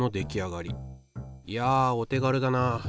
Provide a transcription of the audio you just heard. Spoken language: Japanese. いやお手軽だな。